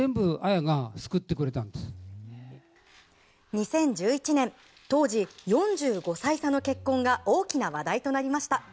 ２０１１年当時４５歳差の結婚が大きな話題となりました。